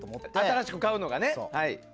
新しく買うのがね。